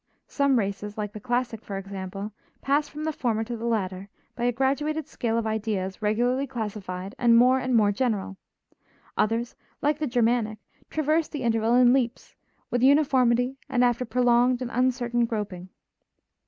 Some races, like the classic, for example, pass from the former to the latter by a graduated scale of ideas regularly classified and more and more general; others, like the Germanic, traverse the interval in leaps, with uniformity and after prolonged and uncertain groping.